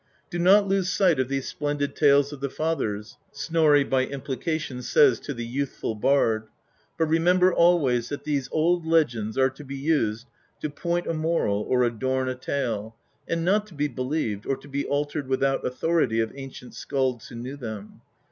"Do not lose sight of these INTRODUCTION xvii splendid tales of the fathers," Snorri, by implication, says to the youthful bard; "but remember always that these old legends are to be used to point a moral or adorn a tale, and not to be believed, or to be altered without authority of ancient skalds who knew them.